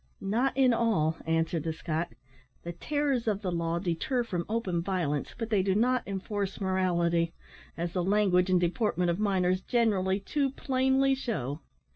"Not in all," answered the Scot; "the terrors of the law deter from open violence, but they do not enforce morality, as the language and deportment of miners generally too plainly shew.